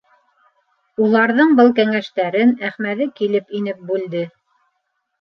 Уларҙың был кәңәштәрен Әхмәҙи килеп инеп бүлде.